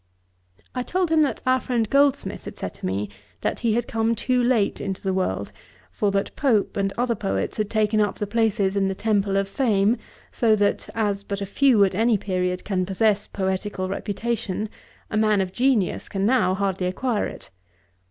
I told him that our friend Goldsmith had said to me, that he had come too late into the world, for that Pope and other poets had taken up the places in the Temple of Fame; so that, as but a few at any period can possess poetical reputation, a man of genius can now hardly acquire it.